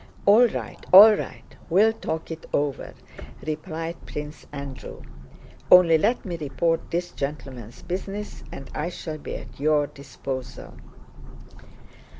"All right, all right. We'll talk it over," replied Prince Andrew. "Only let me report this gentleman's business, and I shall be at your disposal."